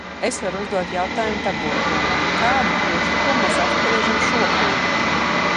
Es varu uzdot jautājumu Tabūna kungam: kādu priekšlikumu mēs apspriežam šobrīd?